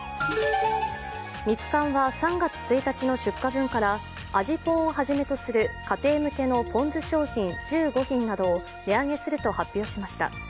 ミツカンは３月１日の出荷分から味ぽんをはじめとする家庭向けのぽん酢商品、１５品を値上げすると発表しました。